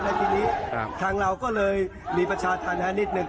และทีนี้ทางเราก็เลยมีประชาธรรมนิดนึง